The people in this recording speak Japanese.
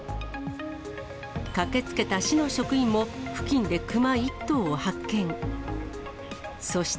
駆けつけた市の職員も、付近でクマ１頭を発見。